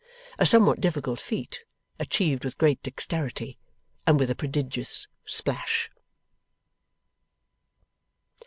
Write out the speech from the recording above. A somewhat difficult feat, achieved with great dexterity, and with a prodigious splash.